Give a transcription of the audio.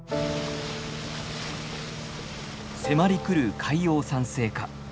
迫りくる海洋酸性化。